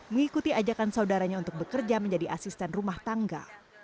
mengikuti ajakan saudaranya untuk bekerja menjadi asisten rumah tangga